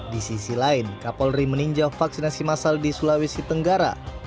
di sisi lain kapolri meninjau vaksinasi masal di sulawesi tenggara